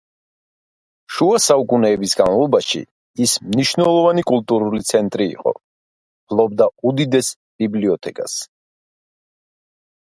შუა საუკუნეების განმავლობაში, ის მნიშვნელოვანი კულტურული ცენტრი იყო, ფლობდა უდიდეს ბიბლიოთეკას.